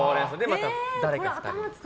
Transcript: また誰か２人に。